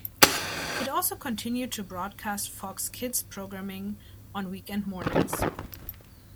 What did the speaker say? It also continued to broadcast Fox Kids programming on weekend mornings.